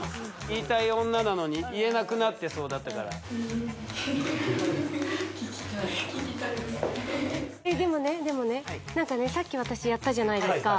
「言いたい女」なのに言えなくなってそうだったからでもねでもねさっき私やったじゃないですか